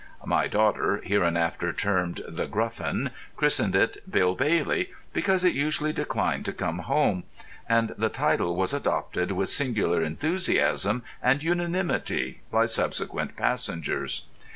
My daughter (hereinafter termed The Gruffin) christened it "Bill Bailey," because it usually declined to come home; and the title was adopted with singular enthusiasm and unanimity by subsequent passengers.